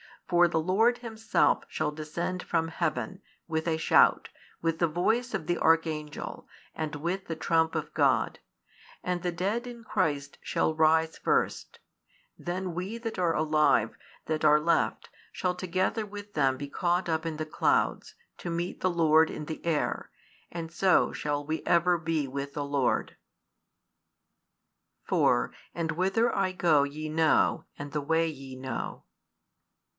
For the Lord Himself shall descend from heaven, with a shout, with the voice of the archangel, and with the trump of God: and the dead in Christ shall rise first: then we that are alive, that are left, shall together with them be caught up in the clouds, to meet the Lord in the air: and so shall we ever be with the Lord. 4 And whither I go ye know, and the way ye know.